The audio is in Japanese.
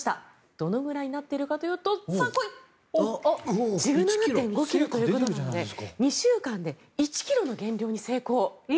どれくらいになっているかというと１７．５ｋｇということで２週間で１ｋｇの減量に成功。